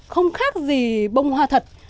không khác gì bông hoa thật